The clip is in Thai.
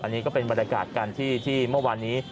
อันนี้ก็เป็นบรรยากาศกันที่เมื่อวานนี้